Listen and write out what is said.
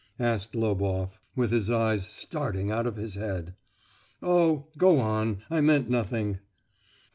asked Loboff, with his eyes starting out of his head. "Oh! go on, I meant nothing!"